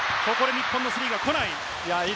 日本のスリーは来ない。